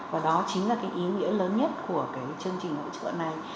và đó chính là cái ý nghĩa lớn nhất của cái chương trình hỗ trợ này